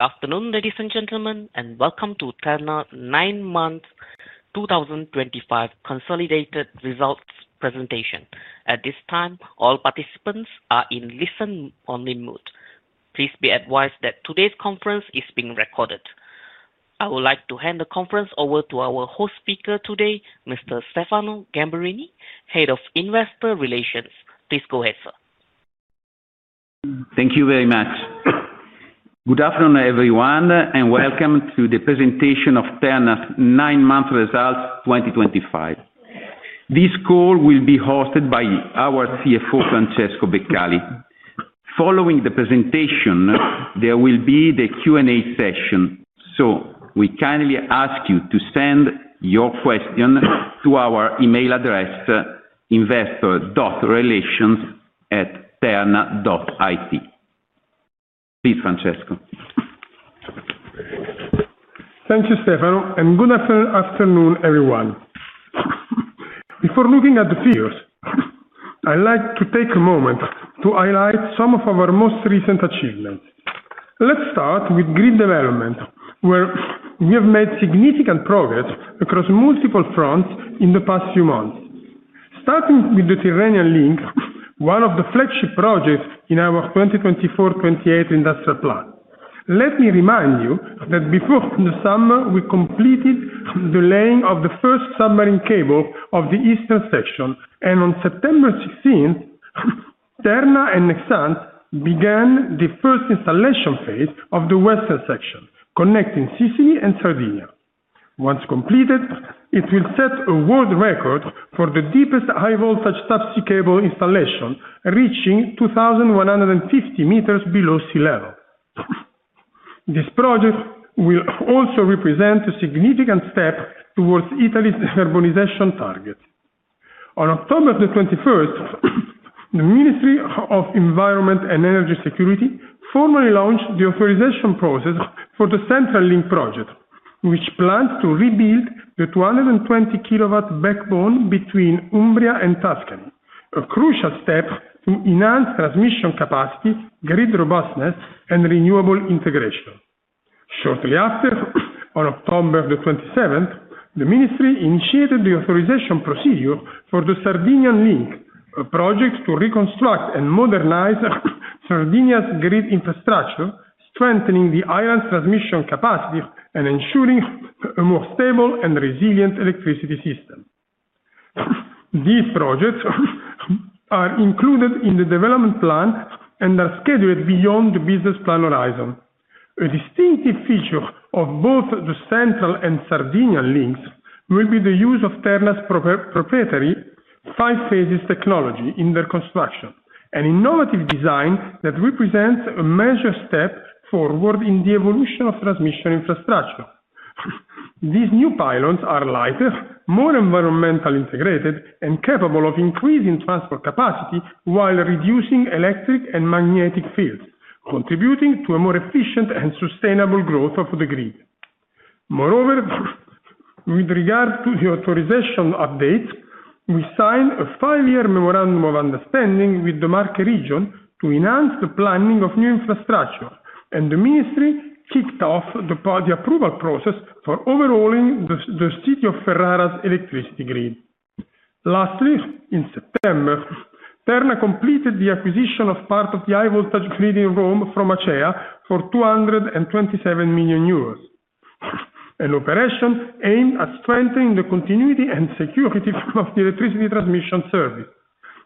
Afternoon, ladies and gentlemen, and Welcome to Terna 9 Month 2025 Consolidated Results Presentation. At this time, all participants are in listen-only mode. Please be advised that today's conference is being recorded. I would like to hand the conference over to our host speaker today, Mr. Stefano Gamberini, Head of Investor Relations. Please go ahead, sir. Thank you very much. Good afternoon, everyone, and welcome to the presentation of Terna's 9 Month Results 2025. This Call will be hosted by our CFO, Francesco Beccali. Following the presentation, there will be the Q&A session, so we kindly ask you to send your question to our email address, investor.relations@terna.it. Please, Francesco. Thank you, Stefano, and good afternoon, everyone. Before looking at the figures, I'd like to take a moment to highlight some of our most recent achievements. Let's start with grid development, where we have made significant progress across multiple fronts in the past few months, starting with the Tyrrhenian Link, one of the flagship projects in our 2024-2028 industrial plan. Let me remind you that before the summer, we completed the laying of the first submarine cable of the Eastern section, and on September 16, Terna and Nexans began the first installation phase of the western section, connecting Sicily and Sardinia. Once completed, it will set a world record for the deepest high-voltage subsea cable installation, reaching 2,150 meters below sea level. This project will also represent a significant step towards Italy's urbanization target. On October 21, the Ministry of Environment and Energy Security formally launched the authorization process for the Central Link project, which plans to rebuild the 220 kilowatt backbone between Umbria and Tuscany, a crucial step to enhance transmission capacity, grid robustness, and renewable integration. Shortly after, on October 27, the Ministry initiated the authorization procedure for the Sardinian Link, a project to reconstruct and modernize Sardinia's grid infrastructure, strengthening the island's transmission capacity and ensuring a more stable and resilient electricity system. These projects are included in the development plan and are scheduled beyond the business plan horizon. A distinctive feature of both the Central and Sardinian Links will be the use of Terna's proprietary five-phases technology in their construction, an innovative design that represents a major step forward in the evolution of transmission infrastructure. These new pylons are lighter, more environmentally integrated, and capable of increasing transport capacity while reducing electric and magnetic fields, contributing to a more efficient and sustainable growth of the grid. Moreover, with regard to the authorization update, we signed a five-year memorandum of understanding with the Marche Region to enhance the planning of new infrastructure, and the Ministry kicked off the approval process for overhauling the city of Ferrara's electricity grid. Lastly, in September, Terna completed the acquisition of part of the high-voltage grid in Rome from ACEA for 227 million euros. An operation aimed at strengthening the continuity and security of the electricity transmission service.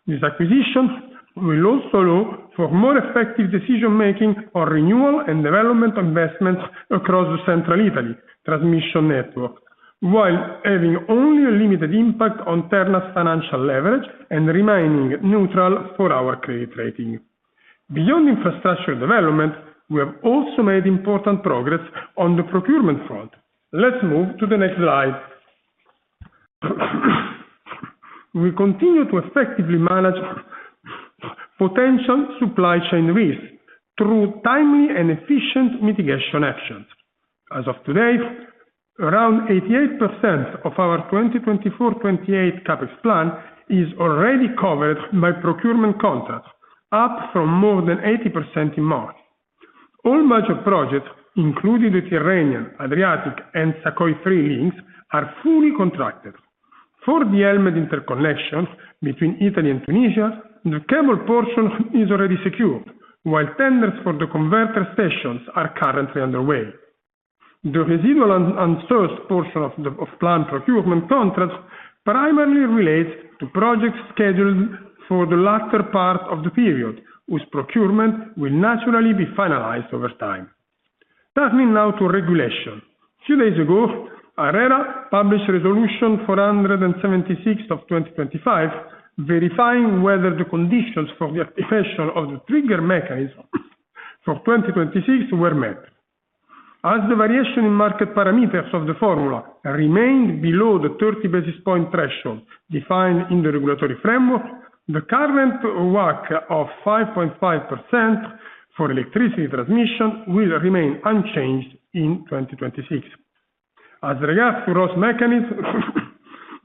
This acquisition will also allow for more effective decision-making on renewal and development investments across the central Italy transmission network, while having only a limited impact on Terna's financial leverage and remaining neutral for our credit rating. Beyond infrastructure development, we have also made important progress on the procurement front. Let's move to the next slide. We continue to effectively manage potential supply chain risks through timely and efficient mitigation actions. As of today, around 88% of our 2024-2028 CapEx plan is already covered by procurement contracts, up from more than 80% in March. All major projects, including the Tyrrhenian, Adriatic, and SACOI, three links, are fully contracted. For the element interconnection between Italy and Tunisia, the cable portion is already secured, while tenders for the converter stations are currently underway. The residual and first portion of the planned procurement contracts primarily relate to projects scheduled for the latter part of the period, whose procurement will naturally be finalized over time. That means now to regulation. A few days ago, ARERA published Resolution 476 of 2025, verifying whether the conditions for the activation of the trigger mechanism for 2026 were met. As the variation in market parameters of the formula remained below the 30 basis point threshold defined in the regulatory framework, the current WACC of 5.5% for electricity transmission will remain unchanged in 2026. As regards to ROS mechanism,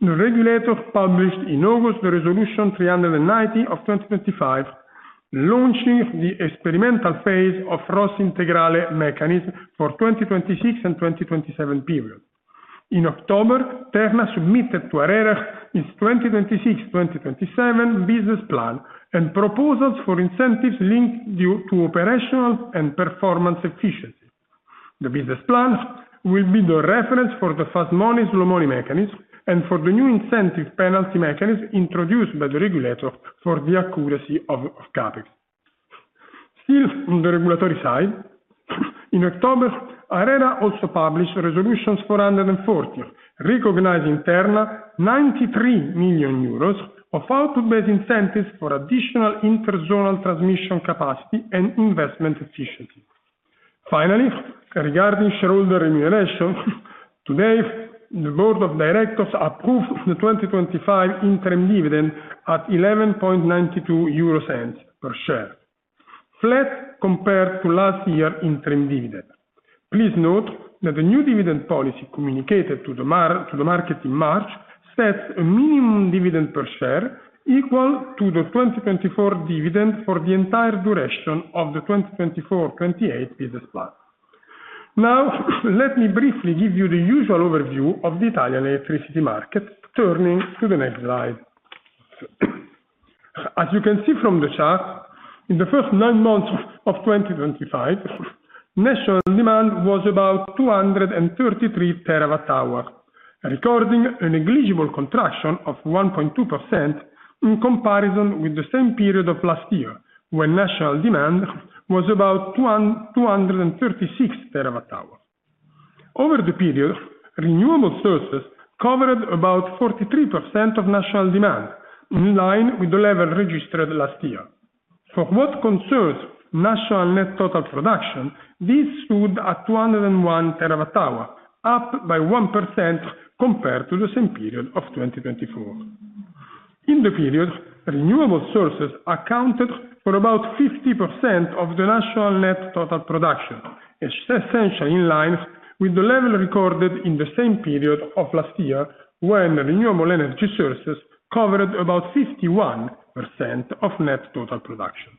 the regulator published in August the Resolution 390 of 2025, launching the experimental phase of ROS integral mechanism for the 2026 and 2027 period. In October, Terna submitted to ARERA its 2026-2027 business plan and proposals for incentives linked to operational and performance efficiency. The business plan will be the reference for the fast money slow money mechanism and for the new incentive penalty mechanism introduced by the regulator for the accuracy of CapEx. Still on the regulatory side, in October, ARERA also published Resolution 440, recognizing Terna's 93 million euros of out-based incentives for additional interzonal transmission capacity and investment efficiency. Finally, regarding shareholder remuneration, today, the Board of Directors approved the 2025 interim dividend at 11.92 euro per share, flat compared to last year's interim dividend. Please note that the new dividend policy communicated to the market in March sets a minimum dividend per share equal to the 2024 dividend for the entire duration of the 2024-28 business plan. Now, let me briefly give you the usual overview of the Italian electricity market. Turning to the next slide. As you can see from the chart, in the first nine months of 2025, national demand was about 233 terawatt-hours, recording a negligible contraction of 1.2% in comparison with the same period of last year, when national demand was about 236 terawatt-hours. Over the period, renewable sources covered about 43% of national demand, in line with the level registered last year. For what concerns national net total production, this stood at 201 terawatt-hours, up by 1% compared to the same period of 2024. In the period, renewable sources accounted for about 50% of the national net total production, essentially in line with the level recorded in the same period of last year, when renewable energy sources covered about 51% of net total production.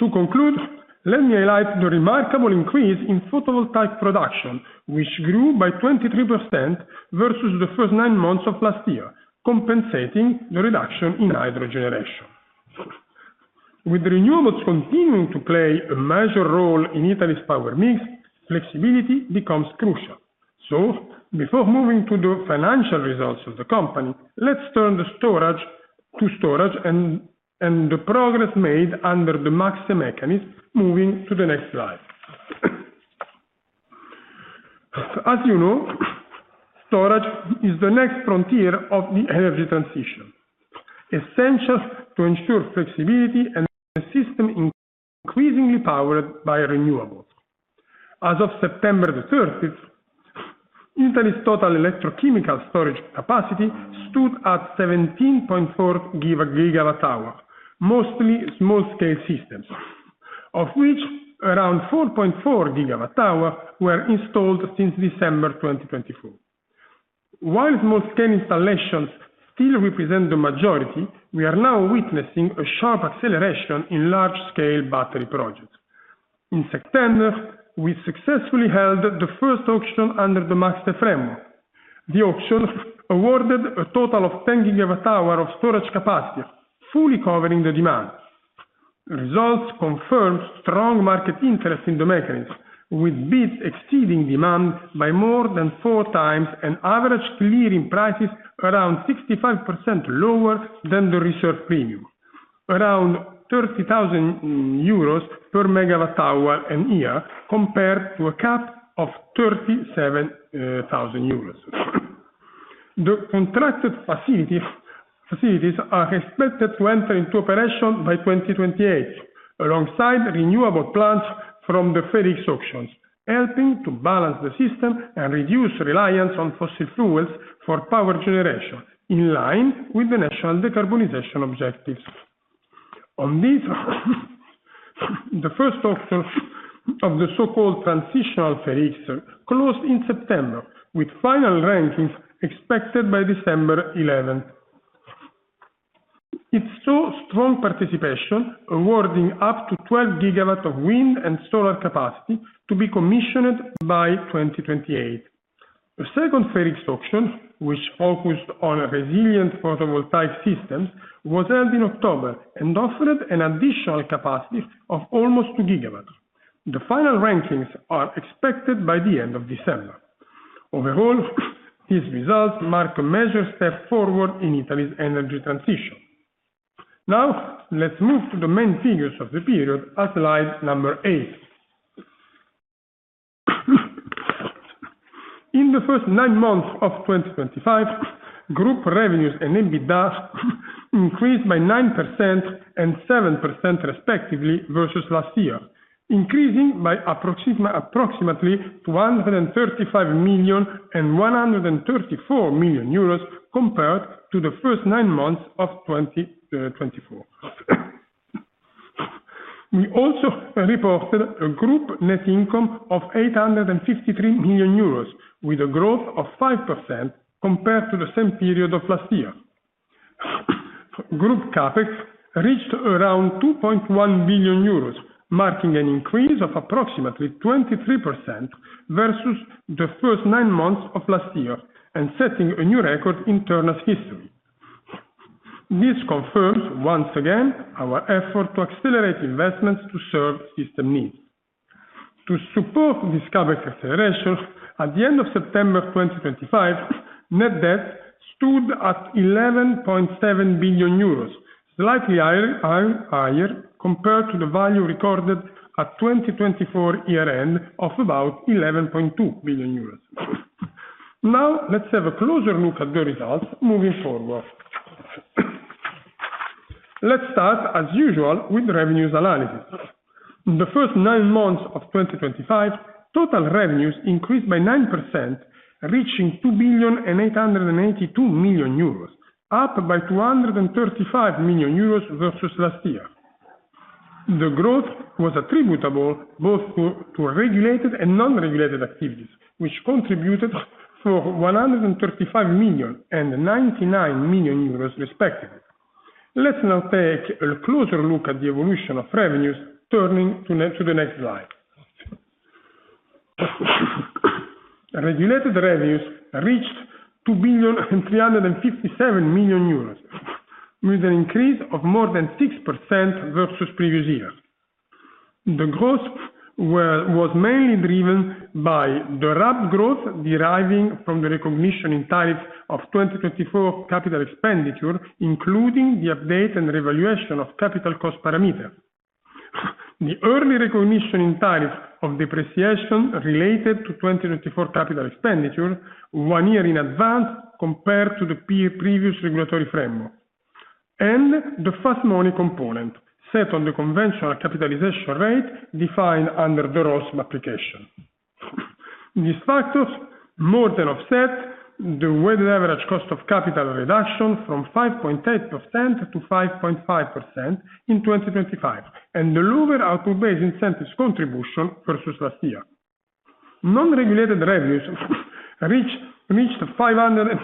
To conclude, let me highlight the remarkable increase in photovoltaic production, which grew by 23% versus the first nine months of last year, compensating the reduction in hydro generation. With renewables continuing to play a major role in Italy's power mix, flexibility becomes crucial. Before moving to the financial results of the company, let's turn to storage and the progress made under the MAXIM mechanism. Moving to the next slide. As you know, storage is the next frontier of the energy transition, essential to ensure flexibility and a system increasingly powered by renewables. As of September 30, Italy's total electrochemical storage capacity stood at 17.4 gigawatt-hours, mostly small-scale systems, of which around 4.4 gigawatt-hours were installed since December 2024. While small-scale installations still represent the majority, we are now witnessing a sharp acceleration in large-scale battery projects. In September, we successfully held the first auction under the MAXIM framework. The auction awarded a total of 10 gigawatt-hours of storage capacity, fully covering the demand. Results confirmed strong market interest in the mechanism, with bids exceeding demand by more than four times and average clearing prices around 65% lower than the reserve premium, around 30,000 euros per megawatt-hour and year, compared to a cap of 37,000 euros. The contracted facilities are expected to enter into operation by 2028, alongside renewable plants from the FEDEX auctions, helping to balance the system and reduce reliance on fossil fuels for power generation, in line with the national decarbonization objectives. On this, the first auction of the so-called transitional FEDEX closed in September, with final rankings expected by December 11. It saw strong participation, awarding up to 12 gigawatts of wind and solar capacity to be commissioned by 2028. A second FEDEX auction, which focused on resilient photovoltaic systems, was held in October and offered an additional capacity of almost 2 gigawatts. The final rankings are expected by the end of December. Overall, these results mark a major step forward in Italy's energy transition. Now, let's move to the main figures of the period at slide number 8. In the first nine months of 2025, group revenues and EBITDA increased by 9% and 7% respectively versus last year, increasing by approximately 135 million and 134 million euros compared to the first nine months of 2024. We also reported a group net income of 853 million euros, with a growth of 5% compared to the same period of last year. Group CapEx reached around 2.1 billion euros, marking an increase of approximately 23% versus the first nine months of last year and setting a new record in Terna's history. This confirms once again our effort to accelerate investments to serve system needs. To support this CapEx acceleration, at the end of September 2025, net debt stood at 11.7 billion euros, slightly higher compared to the value recorded at 2024 year-end of about 11.2 billion euros. Now, let's have a closer look at the results moving forward. Let's start, as usual, with revenues analysis. In the first nine months of 2025, total revenues increased by 9%, reaching 2,882 million euros, up by 235 million euros versus last year. The growth was attributable both to regulated and non-regulated activities, which contributed for 135 million and 99 million euros respectively. Let's now take a closer look at the evolution of revenues, turning to the next slide. Regulated revenues reached 2,357 million euros, with an increase of more than 6% versus previous year. The growth was mainly driven by the rapid growth deriving from the recognition in tariffs of 2024 capital expenditure, including the update and revaluation of capital cost parameters. The early recognition in tariffs of depreciation related to 2024 capital expenditure, one year in advance compared to the previous regulatory framework, and the fast money component set on the conventional capitalization rate defined under the ROS application. These factors more than offset the weighted average cost of capital reduction from 5.8% to 5.5% in 2025 and the lower out-based incentives contribution versus last year. Non-regulated revenues reached 525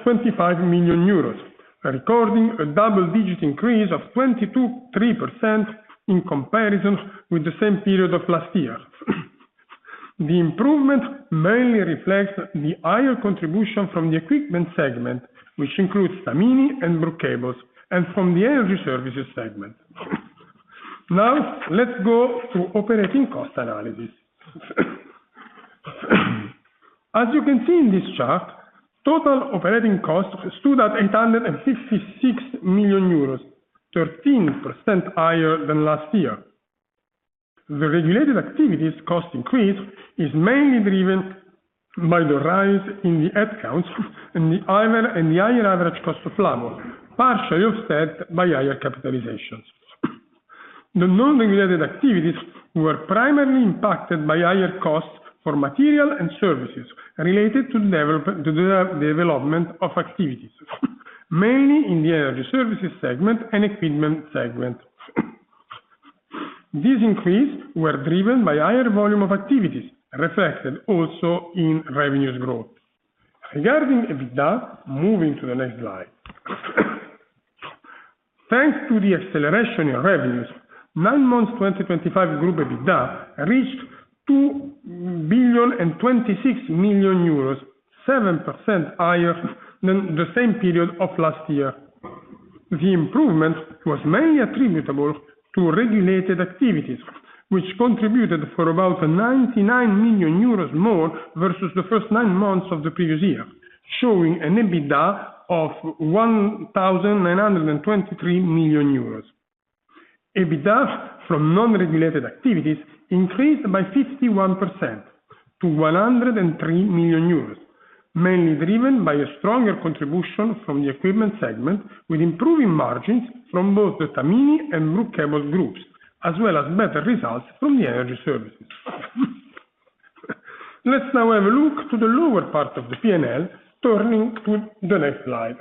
million euros, recording a double-digit increase of 22.3% in comparison with the same period of last year. The improvement mainly reflects the higher contribution from the equipment segment, which includes Tamini and Brook cables, and from the energy services segment. Now, let's go to operating cost analysis. As you can see in this chart, total operating cost stood at 856 million euros, 13% higher than last year. The regulated activities' cost increase is mainly driven by the rise in the headcounts and the higher average cost of labor, partially offset by higher capitalizations. The non-regulated activities were primarily impacted by higher costs for material and services related to the development of activities, mainly in the energy services segment and equipment segment. These increases were driven by higher volume of activities, reflected also in revenues growth. Regarding EBITDA, moving to the next slide. Thanks to the acceleration in revenues, nine months 2025 group EBITDA reached 2,026 million euros, 7% higher than the same period of last year. The improvement was mainly attributable to regulated activities, which contributed for about 99 million euros more versus the first nine months of the previous year, showing an EBITDA of 1,923 million euros. EBITDA from non-regulated activities increased by 51% to 103 million euros, mainly driven by a stronger contribution from the equipment segment, with improving margins from both the Tamini and Brook cables groups, as well as better results from the energy services. Let's now have a look to the lower part of the P&L, turning to the next slide.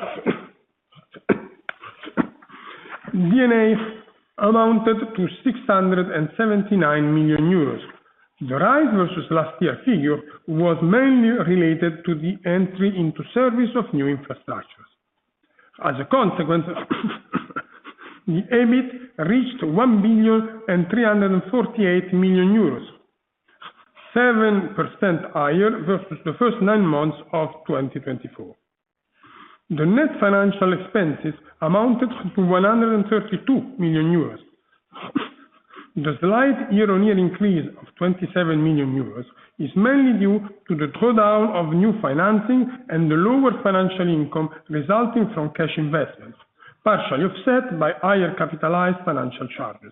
DNA amounted to 679 million euros. The rise versus last year figure was mainly related to the entry into service of new infrastructures. As a consequence, the EBIT reached 1,348 million euros, 7% higher versus the first nine months of 2024. The net Financial Expenses amounted to 132 million euros. The slight year-on-year increase of 27 million euros is mainly due to the drawdown of new financing and the lower financial income resulting from cash investments, partially offset by higher capitalized financial charges.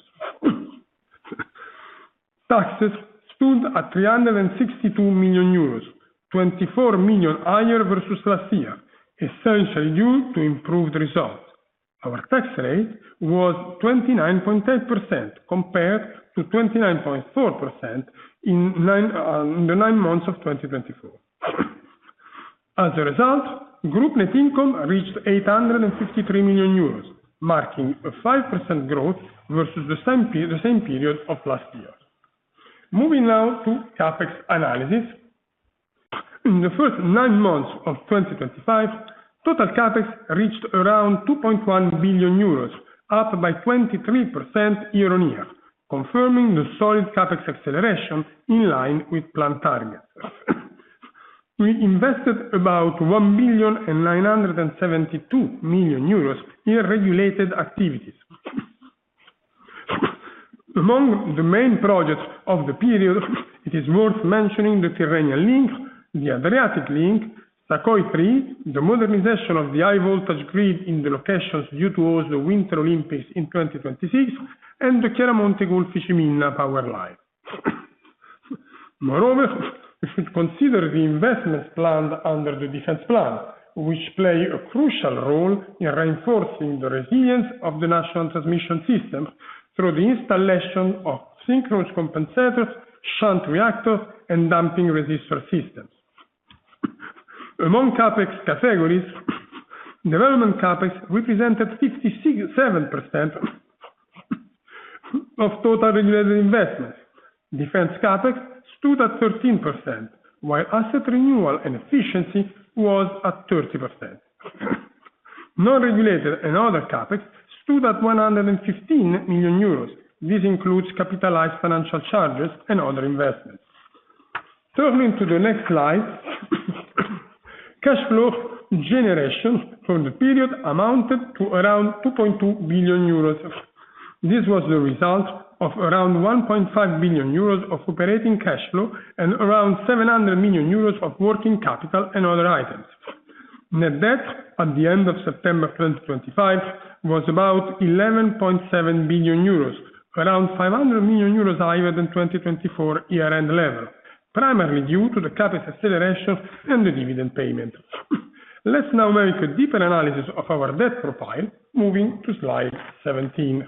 Taxes stood at 362 million euros, 24 million higher versus last year, essentially due to improved results. Our tax rate was 29.8% compared to 29.4% in the nine months of 2024. As a result, group net income reached 853 million euros, marking a 5% growth versus the same period of last year. Moving now to CapEx analysis. In the first nine months of 2025, total CapEx reached around 2.1 billion euros, up by 23% year-on-year, confirming the solid CapEx acceleration in line with planned targets. We invested about 1,972 million euros in regulated activities. Among the main projects of the period, it is worth mentioning the Tyrrhenian Link, the Adriatic Link, SACOI three, the modernization of the high-voltage grid in the locations due to also the Winter Olympics in 2026, and the Keramonte Gulfish Mina power line. Moreover, we should consider the investments planned under the Defense Plan, which play a crucial role in reinforcing the resilience of the national transmission system through the installation of synchronous compensators, shunt reactors, and dumping resistor systems. Among CapEx categories, development CapEx represented 57% of total regulated investments. Defense CapEx stood at 13%, while asset renewal and efficiency was at 30%. Non-regulated and other CapEx stood at 115 million euros. This includes capitalized financial charges and other investments. Turning to the next slide, cash flow generation from the period amounted to around 2.2 billion euros. This was the result of around 1.5 billion euros of operating cash flow and around 700 million euros of working capital and other items. Net debt at the end of September 2025 was about 11.7 billion euros, around 500 million euros higher than 2024 year-end level, primarily due to the CapEx acceleration and the dividend payment. Let's now make a deeper analysis of our debt profile, moving to slide 17.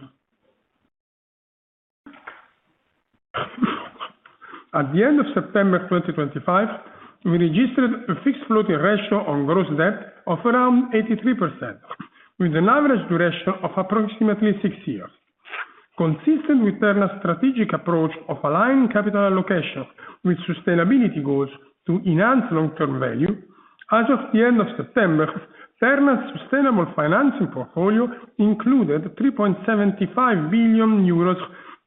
At the end of September 2025, we registered a fixed floating ratio on gross debt of around 83%, with an average duration of approximately six years. Consistent with Terna's strategic approach of aligning capital allocation with sustainability goals to enhance long-term value, as of the end of September, Terna's sustainable financing portfolio included 3.75 billion euros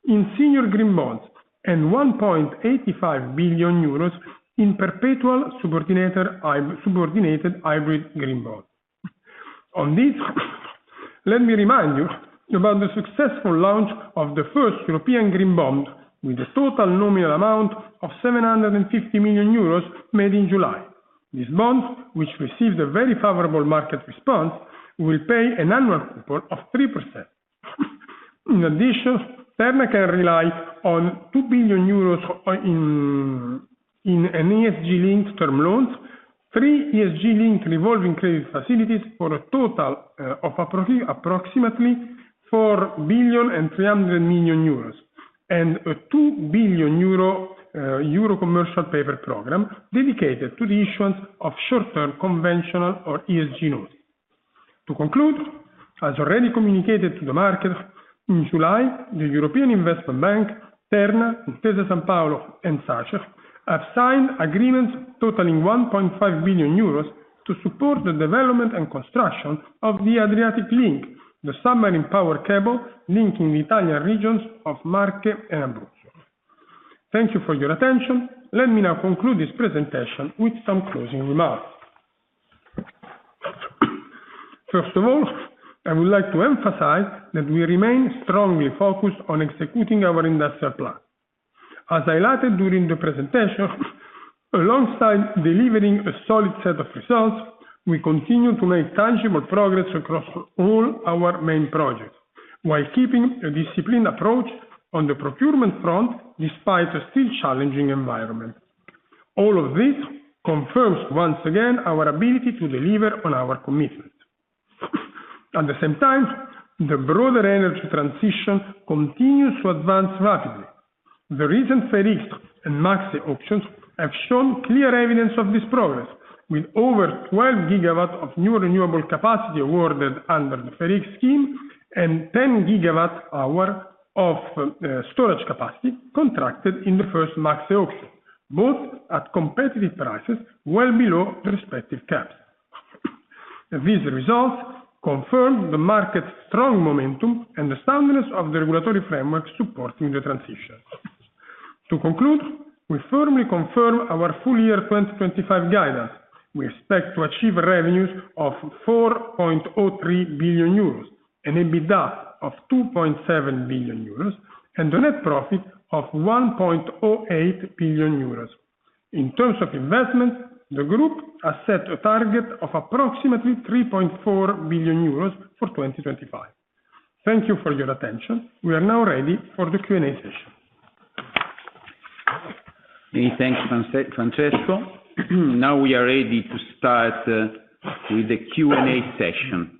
in senior green bonds and 1.85 billion euros in perpetual subordinated hybrid green bonds. On this, let me remind you about the successful launch of the first European green bond, with a total nominal amount of 750 million euros made in July. This bond, which received a very favorable market response, will pay an annual coupon of 3%. In addition, Terna can rely on 2 billion euros in ESG-linked term loans, three ESG-linked revolving credit facilities for a total of approximately 4.3 billion and 2 billion Euro Commercial Paper Program dedicated to the issuance of short-term conventional or ESG notice. To conclude, as already communicated to the market in July, the European Investment Bank, Terna, Intesa Sanpaolo, and SACE have signed agreements totaling 1.5 billion euros to support the development and construction of the Adriatic Link, the submarine power cable linking the Italian regions of Marche and Abruzzo. Thank you for your attention. Let me now conclude this presentation with some closing remarks. First of all, I would like to emphasize that we remain strongly focused on executing our industrial plan. As I stated during the presentation, alongside delivering a solid set of results, we continue to make tangible progress across all our main projects while keeping a disciplined approach on the procurement front despite a still challenging environment. All of this confirms once again our ability to deliver on our commitments. At the same time, the broader energy transition continues to advance rapidly. The recent FEDEX and MAXIM auctions have shown clear evidence of this progress, with over 12 gigawatts of new renewable capacity awarded under the FEDEX scheme and 10 gigawatt-hours of storage capacity contracted in the first MAXIM auction, both at competitive prices well below the respective caps. These results confirm the market's strong momentum and the soundness of the regulatory framework supporting the transition. To conclude, we firmly confirm our full year 2025 guidance. We expect to achieve revenues of 4.03 billion euros, an EBITDA of 2.7 billion euros, and a net profit of 1.08 billion euros. In terms of investments, the group has set a target of approximately 3.4 billion euros for 2025. Thank you for your attention. We are now ready for the Q&A session. Thank you, Francesco. Now we are ready to start with the Q&A session.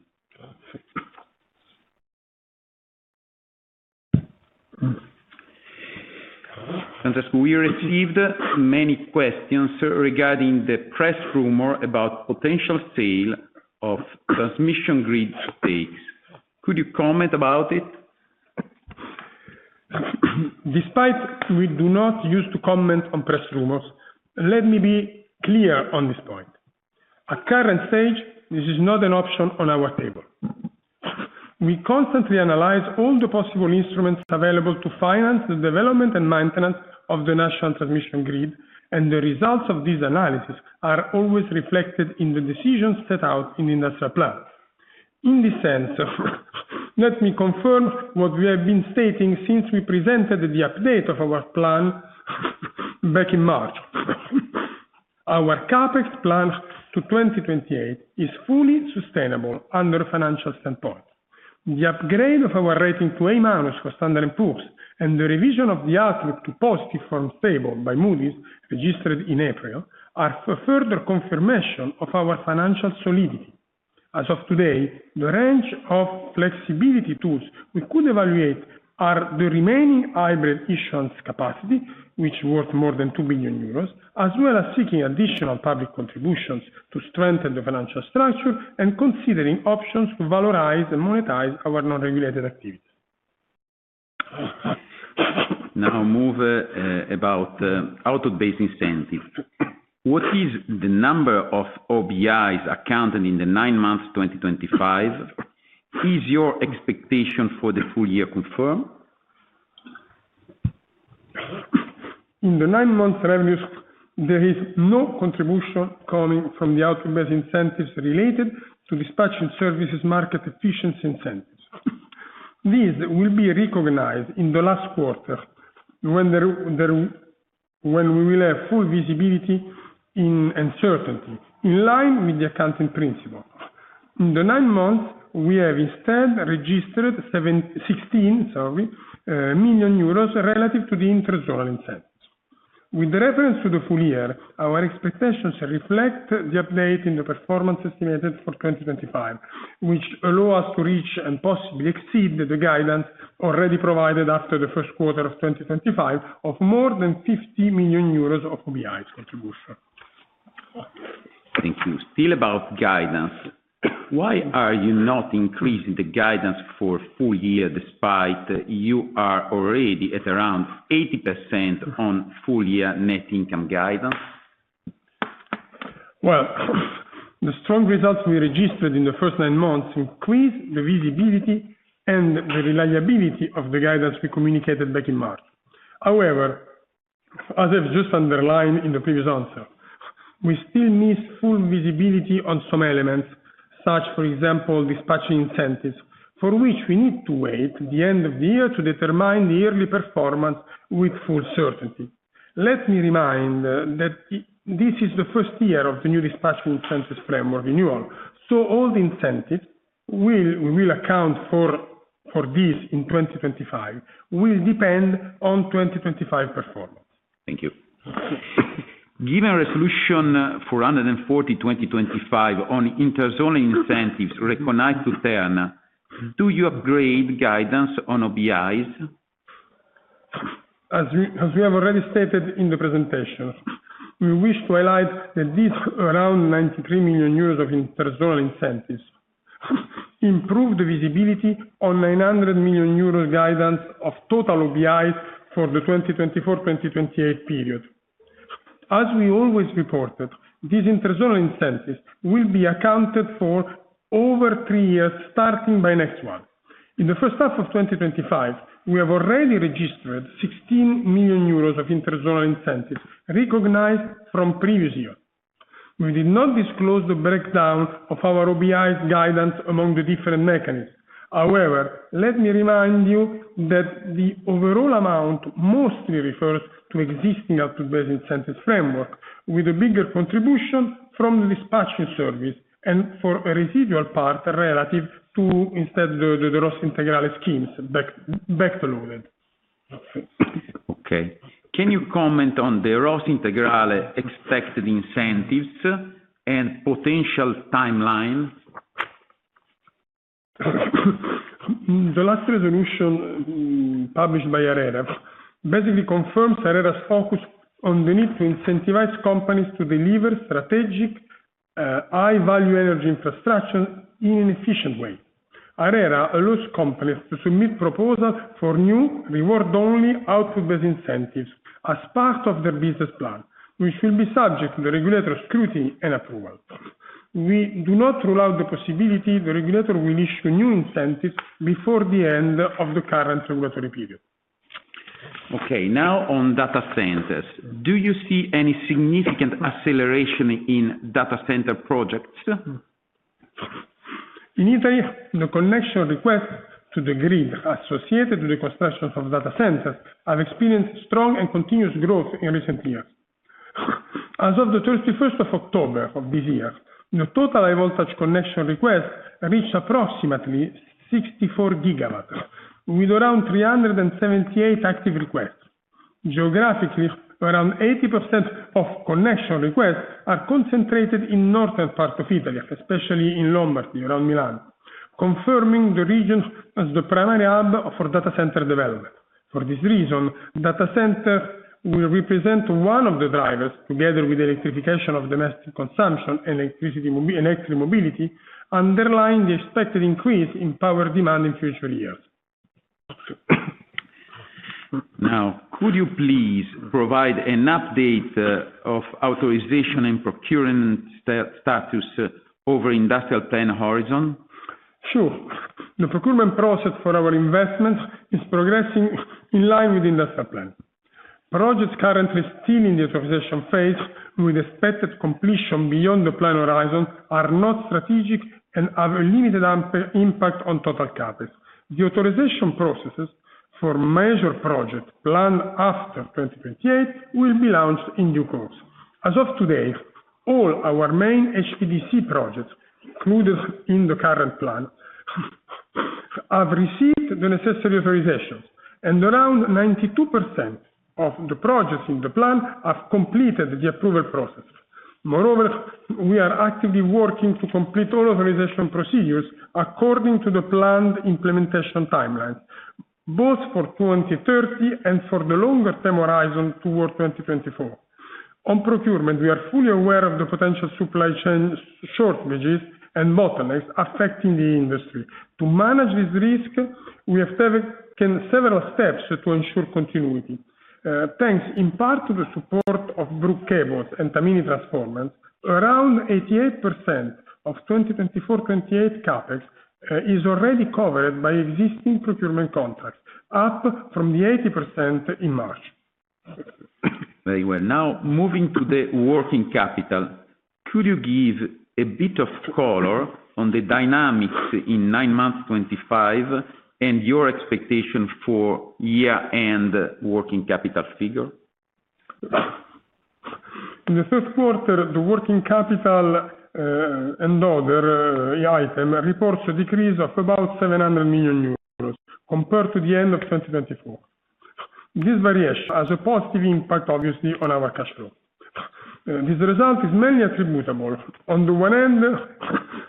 Francesco, we received many questions regarding the press rumor about potential sale of Transmission grid Stakes. Could you comment about it? Despite we do not use to comment on press Rumors, let me be clear on this point. At current stage, this is not an option on our table. We constantly analyze all the possible instruments available to finance the development and maintenance of the national transmission grid, and the results of these analyses are always reflected in the decisions set out in the industrial plan. In this sense, let me confirm what we have been stating since we presented the update of our plan back in March. Our CapEx plan to 2028 is fully sustainable under financial standpoint. The upgrade of our rating to A- for standard improvements and the revision of the outlook to positive from stable by Moody's registered in April are further confirmation of our financial solidity. As of today, the range of flexibility tools we could evaluate are the remaining hybrid issuance capacity, which is worth more than 2 billion euros, as well as seeking additional public contributions to strengthen the financial structure and considering options to valorize and monetize our non-regulated activities. Now move about out-based incentives. What is the number of OBIs accounted in the nine months 2025? Is your expectation for the full year confirmed? In the nine months revenues, there is no contribution coming from the out-based incentives related to dispatching services market efficiency incentives. These will be recognized in the last quarter when we will have full visibility and certainty in line with the accounting principle. In the nine months, we have instead registered 16 million euros relative to the interzonal incentives. With reference to the Full year, our expectations reflect the update in the performance estimated for 2025, which allow us to reach and possibly exceed the guidance already provided after the first quarter of 2025 of more than 50 million euros of OBIs contribution. Thank you. Still about guidance. Why are you not increasing the guidance for full year despite you are already at around 80% on Full year net income guidance? The strong results we registered in the first nine months increase the visibility and the reliability of the guidance we communicated back in March. However, as I've just underlined in the previous answer, we still miss full visibility on some elements, such for example, dispatching incentives, for which we need to wait the end of the year to determine the early performance with full certainty. Let me remind that this is the first year of the new dispatching incentives framework renewal. All the incentives we will account for for this in 2025 will depend on 2025 performance. Thank you. Given resolution 440/2025 on interzonal incentives recognized to Terna, do you upgrade guidance on OBIs? As we have already stated in the presentation, we wish to highlight that these around 93 million euros of interzonal incentives improve the visibility on 900 million euros guidance of total OBIs for the 2024-2028 period. As we always reported, these interzonal incentives will be accounted for over three years starting by next month. In the first half of 2025, we have already registered 16 million euros of interzonal incentives recognized from previous years. We did not disclose the breakdown of our OBIs guidance among the different mechanisms. However, let me remind you that the overall amount mostly refers to existing out-based incentives framework with a bigger contribution from the dispatching service and for a residual part relative to instead the ROS integrale schemes back to loaded. Okay. Can you comment on the ROS Integrale expected incentives and potential timeline? The last resolution published by ARERA basically confirms ARERA's focus on the need to incentivize companies to deliver strategic high-value energy infrastructure in an efficient way. ARERA allows companies to submit proposals for new reward-only out-based incentives as part of their business plan, which will be subject to the regulator's scrutiny and approval. We do not rule out the possibility the regulator will issue new incentives before the end of the current regulatory period. Okay. Now on data centers. Do you see any significant acceleration in data center projects? In Italy, the connection requests to the grid associated with the construction of data centers have experienced strong and continuous growth in recent years. As of the 31st of October of this year, the total high-voltage connection requests reached approximately 64 gigawatts, with around 378 active requests. Geographically, around 80% of connection requests are concentrated in northern part of Italy, especially in Lombardy, around Milan, confirming the region as the primary hub for data center development. For this reason, data centers will represent one of the drivers, together with the electrification of domestic consumption and electric mobility, underlying the expected increase in power demand in future years. Now, could you please provide an update of authorization and procurement status over industrial plan horizon? Sure. The procurement process for our investments is progressing in line with the industrial plan. Projects currently still in the authorization phase, with expected completion beyond the plan horizon, are not strategic and have a limited impact on total CapEx. The authorization processes for major projects planned after 2028 will be launched in due course. As of today, all our main HVDC projects included in the current plan have received the necessary authorizations, and around 92% of the projects in the plan have completed the approval processes. Moreover, we are actively working to complete all authorization procedures according to the planned implementation timelines, both for 2030 and for the longer term horizon toward 2024. On procurement, we are fully aware of the potential supply chain shortages and bottlenecks affecting the industry. To manage this risk, we have taken several steps to ensure continuity. Thanks in part to the support of Brookheaderwood and Tamini, around 88% of 2024-2028 CapEx is already covered by existing procurement contracts, up from the 80% in March. Very well. Now, moving to the working capital, could you give a bit of color on the dynamics in nine months 2025 and your expectation for year-end working capital figure? In the third quarter, the working capital and other items reports a decrease of about 700 million euros compared to the end of 2024. This variation has a positive impact, obviously, on our cash flow. This result is mainly attributable on the one end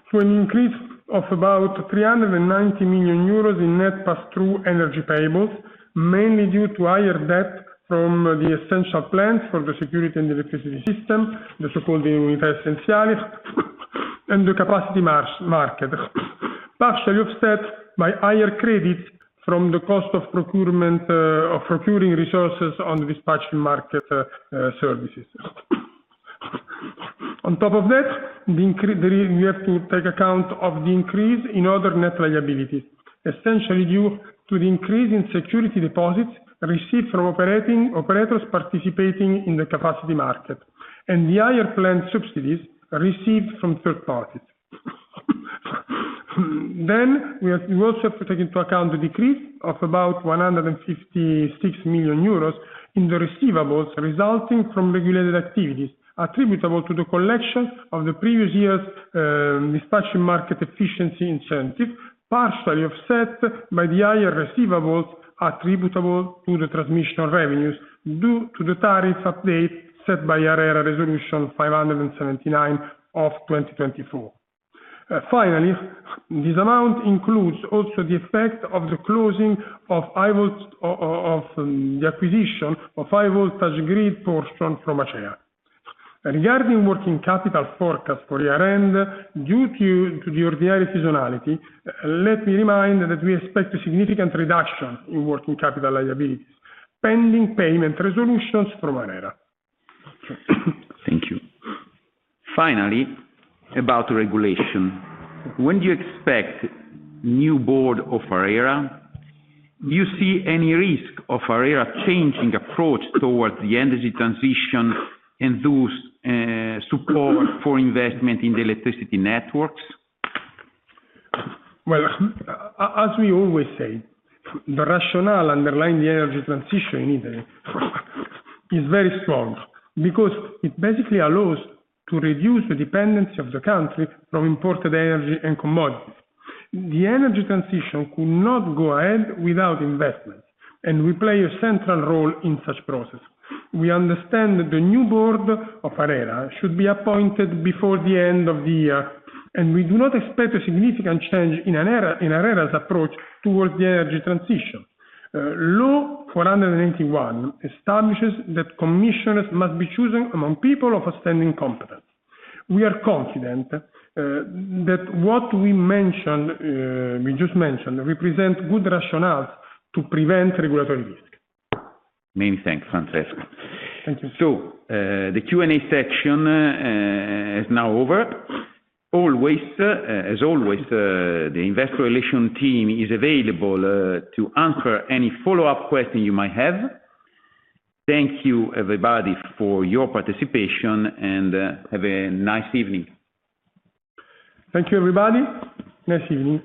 to an increase of about 390 million euros in net pass-through energy payables, mainly due to higher debt from the essential plants for the security and electricity system, the so-called unit essentials, and the capacity market, partially offset by higher credits from the cost of procuring resources on the dispatching market services. On top of that, we have to take account of the increase in other net liabilities, essentially due to the increase in security deposits received from operators participating in the capacity market and the higher planned subsidies received from third parties. We also have to take into account the decrease of about 156 million euros in the receivables resulting from regulated activities attributable to the collection of the previous year's dispatching market efficiency incentive, partially offset by the higher receivables attributable to the transmission revenues due to the tariff update set by ARERA Resolution 579 of 2024. Finally, this amount also includes the effect of the closing of the acquisition of the high-voltage grid portion from ACEA. Regarding working capital forecast for year-end, due to the ordinary seasonality, let me remind that we expect a significant reduction in working capital liabilities pending payment resolutions from ARERA. Thank you. Finally, about regulation. When do you expect new board of ARERA? Do you see any risk of ARERA changing approach towards the energy transition and the support for investment in the electricity networks? As we always say, the rationale underlying the energy transition in Italy is very strong because it basically allows to reduce the dependency of the country from imported energy and commodities. The energy transition could not go ahead without investments, and we play a central role in such process. We understand that the new board of ARERA should be appointed before the end of the year, and we do not expect a significant change in ARERA's approach towards the energy transition. Law 481 establishes that commissioners must be chosen among people of outstanding competence. We are confident that what we mentioned, we just mentioned, represents good rationales to prevent regulatory risk. Many thanks, Francesco. Thank you. The Q&A section is now over. As always, the investor relations team is available to answer any follow-up questions you might have. Thank you, everybody, for your participation, and have a nice evening. Thank you, everybody. Nice evening.